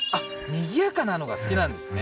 賑やかなのが好きなんですね